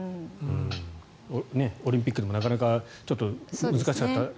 オリンピックでもなかなか難しかった。